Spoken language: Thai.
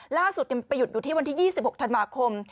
ล่าสุดไปหยุดอยู่ที่วันที่๒๖ธันวาคม